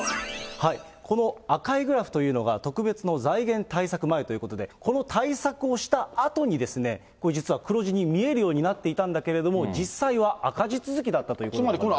この赤いグラフというのが特別の財源対策前ということで、この対策をしたあとに、これ実は、黒字に見えるようになっていたんだけれども、実際は赤字続きだったということになります。